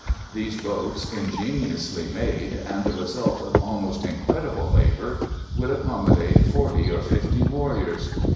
These boats, ingeniously made, and the result of almost incredible labor, would accommodate forty or fifty warriors.